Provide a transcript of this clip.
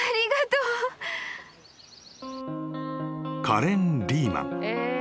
［カレン・リーマン。